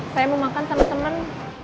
saya mau makan sama temen